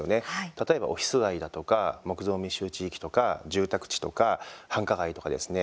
例えば、オフィス街だとか木造密集地域とか住宅地とか繁華街とかですね